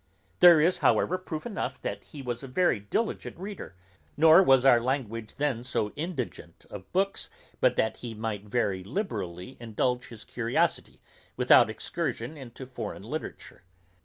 There is however proof enough that he was a very diligent reader, nor was our language then so indigent of books, but that he might very liberally indulge his curiosity without excursion into foreign literature.